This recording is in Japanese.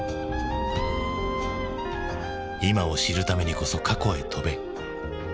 今を知るためにこそ過去へ飛べ。